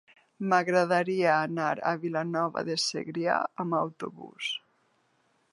M'agradaria anar a Vilanova de Segrià amb autobús.